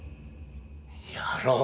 やろう。